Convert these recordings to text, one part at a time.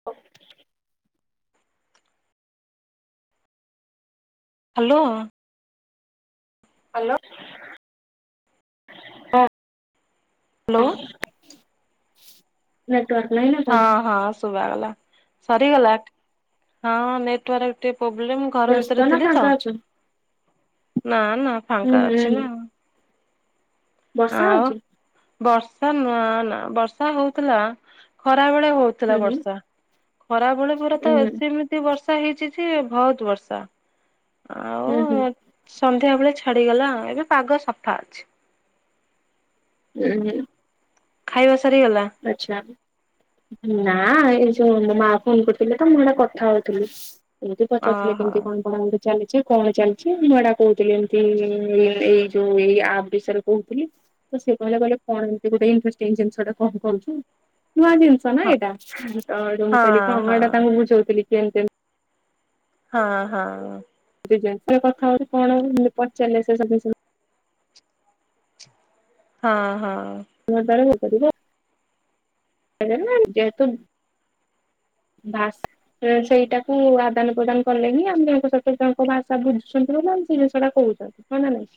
[inaudible] Hello. Hello ହଁ। Hello. Network ନାହିଁ ନା। ହଁ କଣ ହଁ ଶୁବାଗଲା ସରିଗଲା ହଁ ନେଟୱର୍କ ଏବେ ଟିକେ ପ୍ରୋବ୍ଲେମ। ଘର ବ୍ୟସ୍ତ ଭିତରେ ନା ଥିଲି ତ ଫାଙ୍କା ଅଛ? ନା ନା ହୁଁ ଫାଙ୍କା ହୁଁ ଅଛି ହୁଁ ନା। ବର୍ଷା ଆଉ ହଉଛି? ବର୍ଷା ନା ନା ବର୍ଷା ହଉଥିଲା ଖରାବଳେ ହଉ ଥିଲା ହୁଁ ହୁଁ ବର୍ଷା ଖରାବଳେ ପୁରା ତ ହୁଁ ହୁଁ ଏଠି ଏମିତି ବର୍ଷା ହେଇଚି ଯେ ବହୁତ୍ ବର୍ଷା। ହୁଁ ହୁଁ। ସନ୍ଧ୍ୟାବଳେ ଛାଡିଗଲା ଏବେ ପାଗ ସଫା ଅଛି। [unintelligible] ଖାଇବା ସରିଗଲା? ଆଚ୍ଛା। ନା ଏ ଯୋଉ ମା ଫୋନ କରୁଥିଲେ ତ ମୁଁ ହେଡା କଥା ହଉଥିଲି। ଏମିତି ପଚାରୁଥିଲେ ଓହୋ କେମିତି କଣ କଣ ବୋଲି। ଚାଲିଛି କଣ ଚାଲିଛି ମୁଁ ଏଡା କହୁଥିଲି ଏମତି ଏ ଏଇ ଯୋଉ ଏଇ ଆପ୍ ବିଷୟରେ କହୁଥିଲି। ତ ସେ କହିଲା କଣଯେ କଣ ଏମତି ଗୋଟେ ଇଣ୍ଟରେଷ୍ଟିଙ୍ଗ ଜିନିଷଟା। କଣ କରୁଛୁ ନୂଆ ଜିନିଷ ନା ହଁ ଏଇଟା ତ ହେଠୁ ମୁଁ ହଁ କହିଲି କଣ ହଁ ମ ଏଇଟା ତାଙ୍କୁ ବୁଝଉଥିଲି। କେମ୍ ତେମ୍। ହଁ ହଁ। ଯେ ଯେତେ କଥା ହଉଛି କଣ ହଉ ମୁଁ ପଚାରିଲେ ସେ ସବୁ ସିନା। ହଁ ହଁ। ସେ ତାର କରିପାରିବ ଯେହେତୁ। ବାସ୍। ଏ ସେଇଟାକୁ ଆଦାନ ପ୍ରଦାନ କଲେ ହିଁ ଆମେ ଜଣଙ୍କ ସହିତ ଜଣଙ୍କ ଭାଷା ବୁଝୁଛନ୍ତି ନା ନାଇଁ ସେଇ ଜିନିଷଟା କହୁଛନ୍ତ୍। ହଁ ନା ନାଇଁ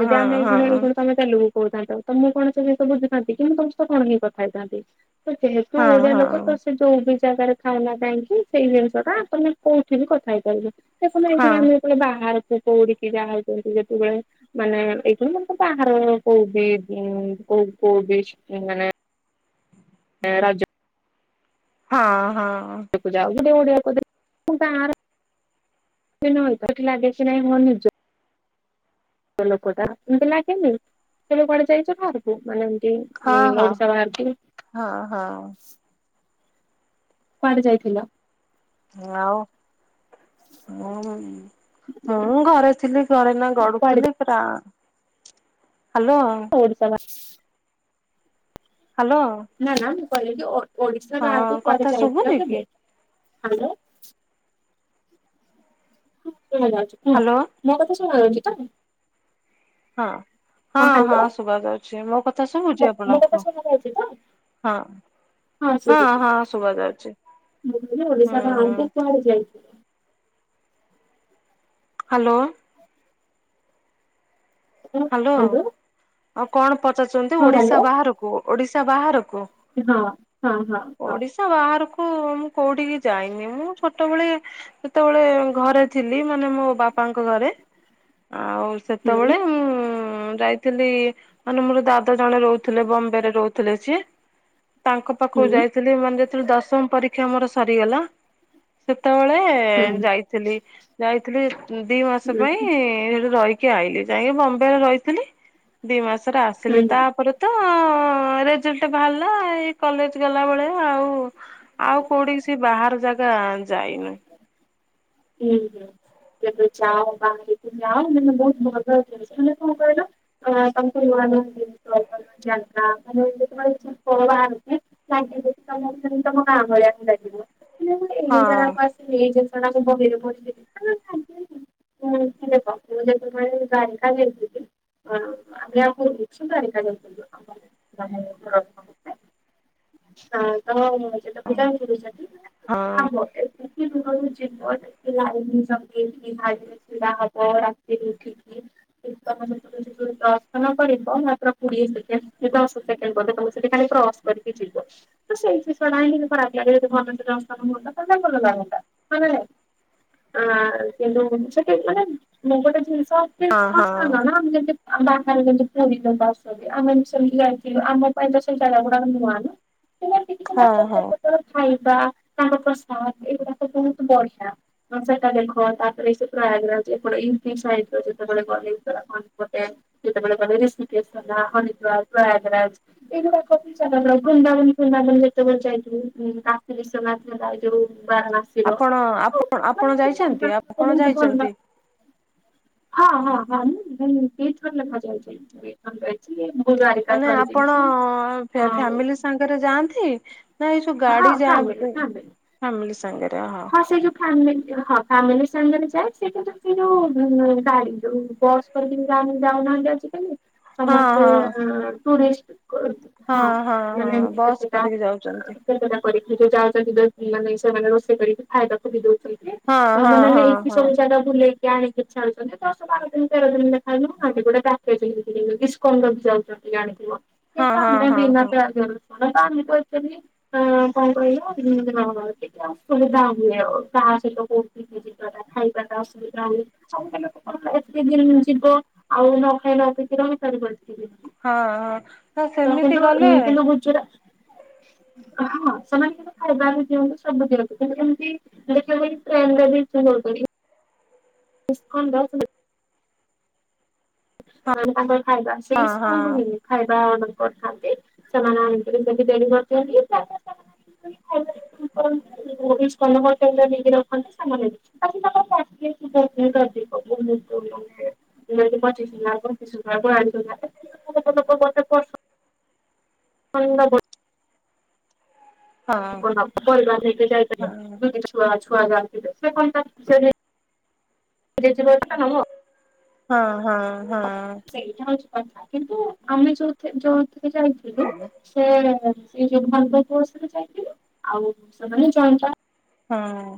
ଯଦି ହଁ ଆମେ ହଁ ଏଇଖୁଣ ହଁ ଏଇଖୁଣ କାମ ଚାଲୁବୁ। କହିଥାନ୍ତ ତ ମୁଁ କଣ ସବୁ ଜିନିଷ ବୁଝିଥାନ୍ତି କି ମୁଁ ତୁମ ସହିତ କଣ ହିଁ କଥାହେଇଥାନ୍ତି ତ ଯେହେ ତୁ ହଁ ଓଡିଆ ହଁ ଲୋକ ତୋ ଯୋଉ ବି ଜାଗାରେ ଥାଉ ନା କାହିଁକି ସେଇ ଜିନିଷ ଟା ତମେ କୋଉଠି ବି କଥା ହେଇପାରିବ। ସେ କ ଏଭଳିଆ ହେଲେ ଆମେ ଯେତେବେଳେ ବାହାରକୁ ଦଉଡିକି ଯାହା ହଉଛନ୍ତି ଯେତେବେଳେ। ମାନେ ଏଇ କଣ ମ ବାହାର କୋଉ ବିିଜ୍ କୋଉ କୋଉ ବି ମାନେ ଏ ରାଜ୍ୟ ହଁ, ହଁ। ଗୋଟେ ଓଡିଆକୁଠି ଲାଗେ ନାଇଁ ହ ନିି [unintelligible] ତ ଲୋକଟା ଏମିତି ଲାଗେନି [unintelligible] କୁଆଡେ ଯାଇଛ ବାହାରକୁ ମାନେ ଏମତି ହଁ, ହଁ, ହଁ, ହଁ। କୁଆଡେ ଯାଇଥିଲ? ଆଉ? ହୁଁ ମୁଁ ଘରେ ଥିଲି ଘରେ ଏଇନା କୁଆଡେ ଗଡୁଥିଲି। [unintelligible] ହ୍ୟାଲୋ। ପୋଡି [unintelligible] ହ୍ୟାଲୋ। ନା, ନା ମୁଁ କହିଲି, ଓଡିଶା ବାହାରକୁ କୁଆଡେ କଥା ଯାଇଥିଲ ଶୁଭୁନି କି କେବେ? ହ୍ୟାଲୋ। ହଁ ଯା [unintelligible] ହ୍ୟାଲୋ। ମୋ କଥା ଶୁଣା ଯାଉଛି ତ? ହଁ। ହଁ, ହଁ ଶୁଭା ଯାଉଛି, ମୋ କଥା ମୋ ଶୁଭୁଛି ମୋ କଥା ଆପଣଙ୍କୁ? ଶୁଣାଯାଉଛି ତ ହଁ। ହଁ, ଶୁଭୁଛି ହଁ ଶୁଭୁଛି। ଶୁଭା ଯାଉଛି ମୁଁ କହିଲି ଓଡିଶା ହୁଁ, ହୁଁ। ବାହାରକୁ କୁଆଡେ ଯାଇଥିଲ ହ୍ୟାଲୋ। [unintelligible] ହ୍ୟାଲୋ, ଆଉ କଣ ପଚାରୁଛନ୍ତି? ହଁ ଓଡିଶା ହ୍ୟାଲୋ ବାହାରକୁ, ଓଡିଶା ବାହାରକୁ? ହଁ, ହଁ, ହଁ। ହଁ ଓଡିଶା ବାହାରକୁ ମୁଁ କୋଉଠିକି ଯାଇନି। ମୁଁ ଛୋଟବେଳେ ସେତେବେଳେ ଘରେ ଥିଲି ମାନେ ମୋ ବାପାଙ୍କ ଘରେ ଆଉ ହୁଁ ସେତେବେଳେ ହଁ ଯାଇଥିଲି ମାନେ ମୋର ଦାଦା ଜଣେ ରହୁଥିଲେ ବମ୍ବେ ରେ ରହୁଥିଲେ ସିଏ ତାଙ୍କ ପା ପାଖକୁ ହୁଁ ଯାଇଥିଲି ମାନେ ଯେତେବେଳେ ଦଶମ ପରୀକ୍ଷା ଆମର ସରିଗଲା। ସେତେବେଳେ ହୁଁ ଯାଇ ଯାଇଥିଲି ଦି ମାସ ହୁଁ ପାଇଁ ସେଠି ରହିଥିଲି, ଆଇ ଯାଇକି ବମ୍ବେ ରେ ରହିଥିଲି। ଦି ମାସରେ ଆସିଲି, ହୁଁ ତାପରେ ତ ରେଜଲ୍ଟ ବାହାରିଲା ଏଇ କଲେଜ ଗଲା ବେଳେ ଆଉ ଆଉ କୋଉଠି କି ସେ ବାହାର ଜାଗା ଯାଇନି। ହୁଁ, ହୁଁ କେ [unintelligible] କଣ କହିଲ? [unintelligible] ଲାଗିବ ତ ତମ ଗାଁ ଭଳିଆକୁ ଲାଗିବ, ଏଇ ହଁ ଜାଗାକୁ ଆସ ଏଇ ଜିନିଷ ଟା ରେ ବ [unintelligible] [unintelligible] ହଁ ଆମ ଆ [unintelligible] ହଁ [unintelligible] ମୋର କିଏ ଲାଇନ ରେ ଛିଡା ହବ ରାତିରେ ଉଠିକି ମେ ତମେ ଯ ଦର୍ଶନ କରିବ ମାତ୍ର କୋଡିଏ ସେକେଣ୍ଡ ଦଶ ସେକେଣ୍ଡ ତମେ ସେଠି ଖାଲି ପ୍ରହସନ କ [unintelligible] ଭଲ ଲାଗନ୍ତା। ହଁ କିନ୍ତୁ ସେଠି ମାନେ ମୁଁ ଗୋଟେ ଜିନିଷ। ହଁ ହଁ [unintelligible] ବାହାରେ ଯେମିତି ଆସଛନ୍ତି ଆମେ ସେ ଯାଇଥିଲୁ ଆମ ପାଇଁ ତ ସେଇ ଜାଗା ଗୁଡାକ ନୁଆ ନା। [unintelligible] ହଁ ହଁ। ସେପଟର ଖାଇବା ତାର ପ୍ରସାଦ ଏଗୁଡାକ ବହୁତ ବଢିଆ। ସେଟା ଦେଖ ତାପରେ ସେ ପରା ପ୍ରାୟ କରାହଉଚି ଇମ୍ପି ସହିତ ଯେତେବେଳେ [unintelligible] କେତେବେଳେ ରଷିକେଶ୍ୱନ ହରିଦ୍ଵାର ପ୍ରୟାଗରାଜ। ଏଇଗୁଡା କ ଜାଗ ଗୁନ୍ଦାବନ ଫୁନ୍ଦାବନ ଯେତେବେଳେ ଯାଇଥିଲୁ ଆ ତିରିଶି ନା ଯୋଉ ବାର ଣାସ ତ- - ଆପଣ ଆପଣ ଆପଣ ଜାଇଚନ୍ତି ଆପଣ ଭଲ ଜାଇଚନ୍ତି। ହଁ ହଁ ହଁ ମୁଁ କିଟ୍ କଲେ କରିଆକୁ ଯାଇଥିଲି। ଜାଇଚି ଭୁ ଦ୍ୱାରିକା ମାନେ ସରି ଦେଇେଇଛି ଅ- - ରେ ଯାଆନ୍ତି, ନା ଏଇ ସୁ ହଁ ଗାଡି ଫ୍ୟାମିଲି ଯାଆନ୍ତି ଫ୍ୟାମିଲି ଫାମିଲି ସାଙ୍ଗରେ ହ। ହଁ ସେ ଯଉ ଫାମି ହଁ ଫାମିଲି ସାଙ୍ଗରେ ଯାଏ ସେଟା ସେ ଯୋଉ ଗାଡି ଯୋଉ ବ - - [unintelligible] ଯାଉନାହାନ୍ତି ଆଜିକାଲି ହଁ ସମସ୍ତେ ହଁ ଟୁରିଷ୍ଟ - - ହଁ, ମାନେ ହଁ ଏମତି ବସ୍ କେତେଟା କରିକି ଯାଉଛନ୍ତି କେତେଟା- - କରିକି ଯେ ଯାଉଚନ୍ତି ମାନେ ସେମାନେ ରୋଷେଇ କରିକି ଖାଇବାକୁ ବି ଦଉଚ। ନ୍ତି ହଁ ହଁ ମାନେ ହଁ ଏଇଠି ହଁ। ସବୁ ଜାଗା ଭୁଲେଇ - - ଆଣିକି ଛାଡୁଚନ୍ତି ଦଶ ବାର ଦିନ ତର ଦିନ [unintelligible] କ ବି ଯାଉଚନ୍ତି ଜାଣିଥିବ ହଁ କିନ୍ତୁ ହଁ ଆମେ ହଁ ବିନା ହଁ ପ୍ୟାକରେ - - ହଁ କ କହିଛନ୍ତିି କଣ କହିବ ଦି ଦିନ ଟିକେ ଆ। ସୁବିଧା ହୁଏ ଆଉ ତାହା ସହିତ କୋଠ ଯ ଖାଇବାଟ ଅସୁବିଧା ହୁଏ। ଏତେ ଦିନ ଯିବ ଆଉ ନ ଖାଇ ନ ଖାଇକି ରହିପାରିବ ଏତିକି। ହଁ ହଁ ତ ସେମିତି କିନ୍ତୁ ଗଲେ କିନ୍ତୁ ଗୁଜୁରା - - ହଁ ସେମାନେ କିନ୍ତୁ ଖାଇବା ବି ଦିଅନ୍ତୁ ସବୁ ଦିଅନ୍ତୁ କିନ୍ତୁ ଏମିତି ସେଠେଇ ଟ୍ରେନରେ ବି ଇପି ଦଉଚନ୍ତି। [unintelligible] ତାଙ୍କର ଖାଇବା ସେଇ ହଁ ହଁ। ସ୍କୁଲରୁ ମିଳେ। ଖାଇବା ଅର୍ଡର କରିଥାନ୍ତି। ସେମାନେ ଆଣିକିରି ଯଦି ଡେଲି କରିଦିଅନ୍ତି। [unintelligible] [unintelligible] [unintelligible] [unintelligible] ହଁ ପରିବାର ହେଇକି ଯାଇଥିଲେ, ହଁ ଯଦି ଛୁଆ ଛୁଆ ଗାଥିଲେ ସେ କହି [unintelligible] ହଁ ହଁ ହଁ ସେଇଟା ହଉଛି କଥା। କିନ୍ତୁ ଆମେ ଯୋଉ ଯୋଉଥିରେ ଯାଇ- - ହୁଁ ହୁଁ [unintelligible] ହଁ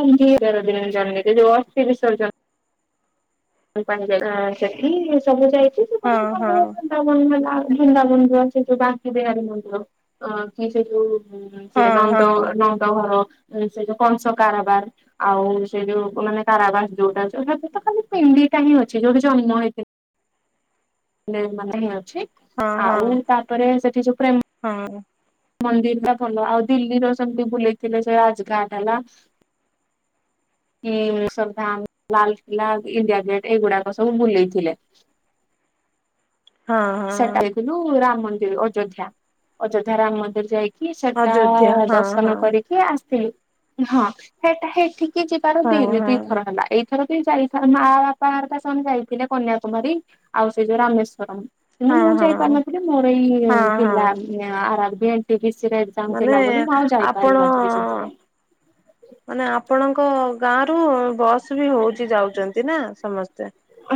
ହଁ ତେର ଦିନି ଜି ଯଉ ଅସ୍ତି ବିସର୍ଜନ। ପା ସେଠି ସବୁ ଯାଇ ଚି ହଁ ହଁ [unintelligible] ବୃନ୍ଦାବନ ହେଲା ବନ୍ଦାବନ ସେ ଯୋଉ ବାକି ବେୀ ମନ୍ଦିର ଅ କି ସେ ଯୋଉ- - ହୁଁ ସେ ହଁ ନନ୍ଦ ହଁ। ନନ୍ଦ ଘର ସେ ଯୋଉ କଂସ କାରବାର ଆଉ ସେ ଯୋଉ ସମାନେ କାରାବାସ ଯୋଉଟା ଅ ତ ଖାଲି - - ପିଣ୍ଡିଟା ହିଁ ଅଛି ଯୋଉଠି ଜହ୍ନ ହେଇ ନେ ମାନେ ହେଉଛି ହଁ ହଁ ଆଉ ତାପରେ ସେଠି ଯୋଉ ପୁରା ଏମ ହଁ। ମନ୍ଦିର ଭଲ ଆଉ ଦିଲ୍ଲୀର ସେମିତି ବୁଲେଇଥିଲେ ସେ ରାଜଘାଟ ହେଲା। କି ଇସର୍ ଧାମ, ଲାଲକିଲ୍ଲା, ଇଣ୍ଡିଆ ଗେଟ ଏଇଗୁଡାକ ସବୁ ବୁଲେଇଥିଲେ। ହଁ ସେଟା ହଁ ଥିଲୁ ରାମ ମନ୍ଦିର, ଅଯୋଧ୍ୟା ଅଯୋଧ୍ୟା, ରାମ ମନ୍ଦିର ଯାଇ କି ସେଟା ଅଯୋଧ୍ୟା ହଁ ଦର୍ଶନ ହଁ। କରିକି ଆସିଲୁ ହଁ ସେଟା ହେଇଠି। କି ଯିବାର ହଁ ଦିନ ହଁ ଦିଥର ହେଲା ଏଇ ଏଥର ବି ଯାଇଥା ମା, ବାପା ଘରିକା ସମ ଯାଇଥିଲେ କନ୍ୟାକୁମାରୀ ଆଉ ସେ ଯୋଉ ରାମେଶ୍ୱରମ। କିନ୍ତୁ ହଁ ମୁଁ ହଁ ଯାଇ ପାରିନଥିଲି ମୋର ଏଇ ହଁ ଥିଲା ହଁ ଉଁ ଆଁ R R B N T P C ର ଏ [unintelligible] ମାନେ ଥିଲା ବୋଲି ମୁଁ ଆଉ ଆପଣ ଯାଇପାରିିନଥିଲି ସେଇଥିପାଇଁ। ମାନେ ଆପଣଙ୍କ ଗାଁ ରୁ ବସ୍ ବି ହଉଛି ଯାଉଛନ୍ତି ନା ସମସ୍ତେ।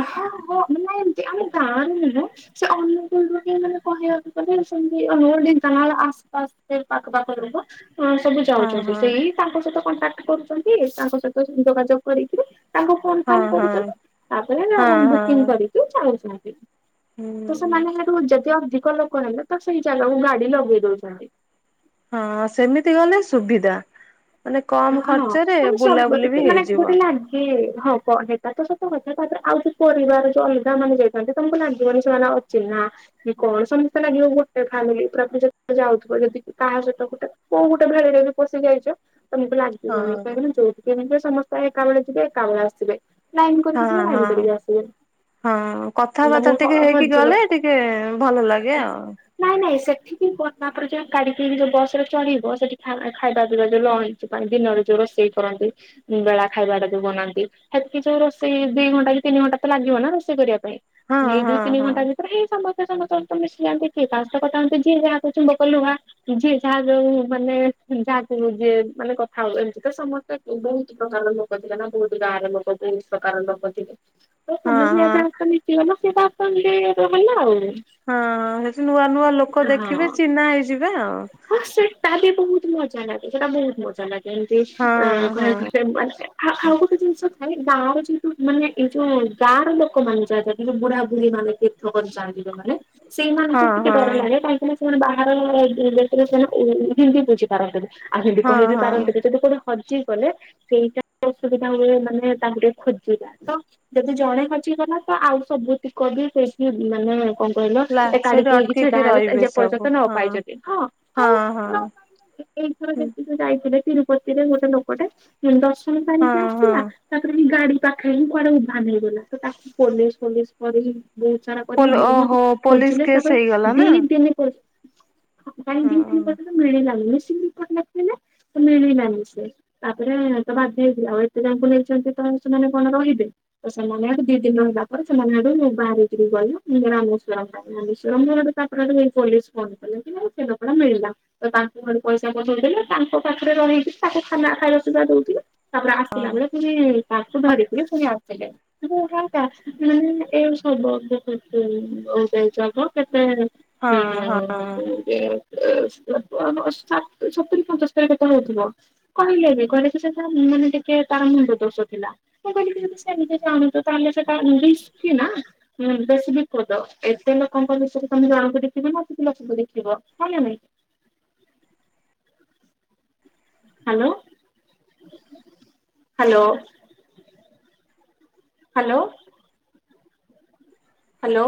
ହଁ ହଁ ମାନେ ଏମିତି ଆମ ଗାଁରୁ ନୁହ। ସେ ଅନୁଗୁଳ ରୁ ବି ମାନେ କହିବାକୁ ଗଲେ ସେମିତି ଅନୁଗୁଳ, ଢେଙ୍କାନାଳ ଆସ ପାସ ସେ ପାଖ ପାଖ ରହିବ। ଅଁ ସବୁ ହଁ ଯାଉଛନ୍ତି ହଁ। ସେଇ ତାଙ୍କ ସହିତ କଣ୍ଟାକ୍ଟ କରୁଛନ୍ତି ତାଙ୍କ ସହିତ ଯୋଗାଯୋଗ କରିକିରି ତାଙ୍କୁ। ହଁ ଫୋନଫାନ ହଁ କରୁଛନ୍ତି ତାପରେ ହଁ [unintelligible] ହଁ ବୁକିଙ୍ଗ କରିକି ଯାଉଛନ୍ତି। ତ ହୁଁ। ସେମାନେ ହେଠୁ ଯେତେ ଅଧିକ ଲୋକ ହେଲେ ତ ସେଇ ଜାଗାକୁ ଗାଡି ଲଗେଇ ଦଉଛନ୍ତି। ହଁ ସେମିତି ଗଲେ ସୁବିଧା। ମାନେ କମ ହଁ ଖର୍ଚ୍ଚ ରେ ମାନେ ସବୁ ବୁଲାବୁଲି ବି ହେଇଯିବ। କି ହବ ହେଟା ତ ସତ କଥା ତାପରେ ଆଉ ଯୋଉ ପରିବାର ଯୋଉ ଅଲଗା ମାନେ ଯାଇଥାନ୍ତି ତମକୁ ଲାଗିବନି ସେମାନେ ଅ ଚିହ୍ନା କି କଣ ସମସ୍ତେ ଲାଗିବ ଗୋଟେ ଫ୍ୟାମିଲି ପୁରା ପୁରି ଯାଉଥିବ ଯଦି କାହା ସହିତ ଗୋଟେ। କଉ ଗୋଟେ ଧାଡ଼ି ରେ ବି ବସିଯାଇଛ। ତମକୁ ଲାଗିବନି ହଁ କାହିଁକି ନା ଯୋଉଠି କି ଯିବେ ସମସ୍ତେ ଏକାବେଳେ ଯିବେ ଏକାବେଳେ ଆସିବେ। ଲାଇନ ହଁ କରିକି ଯିବେ ହଁ। ଲାଇନ କରିକି ଆସିବେ। ହଁ କଥାବାର୍ତ୍ତା ତମକୁ ହ ଟିକେ ହେଇକି ହଜିବ ଗଲେ ଟିକେ ଭଲ ଲାଗେ ଆଉ। ନାଇଁ ନାଇଁ ସେଠିକି ଗଲା ପରେ ଯାହା କାଢ଼ି କିରି ଯୋଉ ବସରେ ଚଢ଼ିବ ସେଠି ଖା ଖାଇବା ପିଇବା ଯୋଉ ଲ ଞ୍ଚ ପାଇଁ ଦିନରେ ଯୋଉ ରୋଷେଇ କରନ୍ତି। ଉଁ ବେଳା ଖାଇବାଟା ଯୋଉ ବନାନ୍ତି ହେଠି ଯୋଉ ରୋଷେଇ ଦି ଘଣ୍ଟା କି ତିନି ଘଣ୍ଟା ତ ଲାଗିବ ନା ରୋଷେଇ କରିବା ପାଇଁ। ହଁ ନେଇ ଦୁଇ, ହଁ ତିନି ହଁ। ଘଣ୍ଟା ବି ପରା ହିଁ ସମସ୍ତେ ସମସ୍ତଙ୍କ ସହିତ ମିଶିଯାନ୍ତି କିଏ କାହା ସହିତ କଥା ହୁଅନ୍ତି ଯିଏ ଯାହା [unintelligible] ଚୁମ୍ବକ, ଲୁହା। ଯିଏ ଯାହା ଯଉ ମାନେ ଉଁ ଯାହା କୁ ଯିଏ। ମାନେ କଥା ହଉ ଏମିତି ତ ସମସ୍ତେ ଉଁ ବହୁତ ପ୍ରକାର ଲୋକ ଥିଲେ ନା ବହୁତ ଗାଁର ଲୋକ ବହୁତ ପ୍ରକାରର ଲୋକ ଥି ତ ହଁ ତମେ ବି ହଁ ଯାହା ସହିତ ମିଶିବ ସେ ତା ସହିତ [unintelligible] ଆଉ। ହଁ ସେଠି ନୂଆ ନୂଆ ଲୋକ ଦେଖିବେ ହଁ। ଚିହ୍ନା ହେଇଯିବେ ଅଁ। ହଁ ସେଟା ବି ବହୁତ ମଜା ଲାଗେ ସେଟା ବହୁତ ମଜା ଲାଗେ ଏମିତି ହଁ ଆଁ ହଁ କହିବାକୁ [unintelligible] ଆଉ ଆଉ ଗୋଟେ ଜିନିଷ ଥାଏ ଗାଁର ଯଉ ମାନେ ଏଇ ଯୋଉ ଗାଁ ର ଲୋକମାନେ ଯାହା [unintelligible] ବୁଢା ବୁଢୀ ମାନେ ର୍ଥ କରି ଜାଣିଯିବେ ମାନେ। ହଁ ସେଇମାନଙ୍କୁ ହଁ ଟିକେ ଡର ଲାଗେ କାହିଁକି ନା ସେମାନେ ବାହାର ଦେଶରେ ସିନା ଓ ହିନ୍ଦୀ ବୁଝି ପାରନ୍ତିନି କହିବି ହଁ କହିବି। ହଁ। ଯଦି କଉଠି ହଜିଗଲେ ସେଇଟା ଅସୁବିଧା ହୁଏ ମାନେ ତାଙ୍କୁ ଟିକେ ଖୋଜିବା ତ। ଯଦି ଜଣେ ହଜିଗଲା ତ ଆଉ ସବୁତିକ ବି ସେଇଠି ମାନେ। କଣ କହିଲ ଲା ଏ ସେଇଠି କାଢିକି ହେଇକି ଛିଡା ଅଟକିକି ହେବେ ଏ ରହିବେ ଯେ ସବୁ ପର୍ଯ୍ୟନ୍ତ ନ ହଁ ପାଇଛନ୍ତି ହଁ ହଁ ନ ପାଇ ଏ-ଏଇ ଥର ଯେମିତି। ଯଉ ଯାଇଥିଲେ ତିରୁପତିରେ ଗୋଟେ ଲୋକଟେ ଉଁ ଦର୍ଶନ ହଁ ସାରିକି ହଁ ଆସିଲା ତାପରେ ଗାଡି। ପାଖରେ ହିଁ କୁଆଡେ ଉଦ୍ଭାନ ହେଇଗଲା। ତ ତାକୁ ପୋଲିସ ଫୋଲିସ କରି ବହୁତ ସାରା ପୋ କରିକି ବହୁତ ଓହୋ ପୋଲିସ ଖୋଜିଲେ। କେସ୍ ହେଇଗଲା ତାପରେ ଦି ନା। ଦିନି ହଁ କାହିଁ ହଁ ଦିିନି ପ ମିଳିଲାନି ମିସି ବିପଟ ଲାଗଥିଲେ ତ ମିଳିଲାନି ସେ [unintelligible] ତାପରେ ତ ବାଧ୍ୟ ହେଇଥିଲେ। ଆଉ ଏତେ ଜଣଙ୍କୁ ନେଇଛନ୍ତି ତ ସେମାନେ କଣ ରହିବେ। ତ ସେମାନେ ଆଡୁ ଦି ଦିନ ହେଲା ପରେ ସେମାନେ ଆଡୁ ମୁଁ ବାହାରିକି ଗଲୁ ମୁଁରାମ [unintelligible] ମୁଁ ଗୋଟେ ତାପଣଇ ପୋଲିସ ଫନ କଲେ ସେରୋକଡା ମିଳିଲା [unintelligible] ତ ତାଙ୍କୁ ଘରୁ ପଇସା ପଠେଇଦଲେ ତାଙ୍କ ପାଖରେ ରହିକି ତାକୁ ଖାନା ଖାଇବା ସୁଧା ଦଉଥିଲେ। ତାପରେ ଆସିଲା ହଁ ବେଳେ ଫୁଣି ତାକୁ ଧରିକିରି ଫୁଣି ସେ ଆସିଲେ। ହ ହ ମାନେ ଏ ସବୁ ବତବ କେତେ [unintelligible] ହ ହଁ ହଁ। [unintelligible] ପଞ୍ଚସ୍ତରୀ କେତେ ହେଇଥିବ। କହିଲେ ବି କହିଲେ ଯେ ସେଟା ମାନେ ଟିକେ ତାର ମୁଣ୍ଡ ଦୋଷ ଥିଲା। ମୁଁ କହିଲି କି ଯଦି ସେମତି ଚାହୁଁଚ, ତାହାଲେ ସେଟା ରିସ୍କି ନା? ହୁଁ, ବେଶୀ ବିକୃତ। ଏତେ ଲୋକଙ୍କ ଭିତରୁ ତମେ ଜଣକୁ ଦେଖିବ କିଛି ଲୋକଙ୍କୁ ଦେଖିବ। ହଁ ନା ନାଇଁ? Hello, hello. ହାଲୋ। ହାଲୋ।